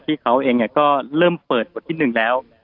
ที่เขาเองก็เริ่มเปิดบทที่๑แล้ว